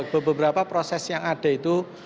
beberapa proses yang ada itu